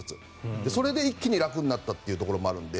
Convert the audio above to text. それで一気に楽になったというところもあるので。